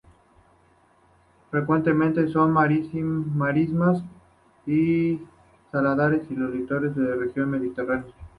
Frecuente en marismas y saladares y en los litorales de la región mediterránea.